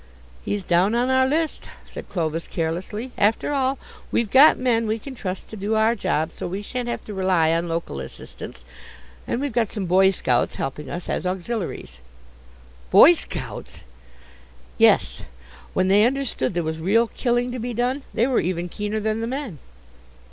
"He's down on our list," said Clovis carelessly; "after all, we've got men we can trust to do our job, so we shan't have to rely on local assistance. And we've got some Boy scouts helping us as auxiliaries." "Boy scouts!" "Yes; when they understood there was real killing to be done they were even keener than the men."